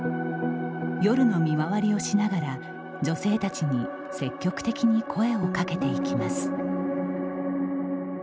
夜の見回りをしながら女性たちに積極的に声をかけていきます。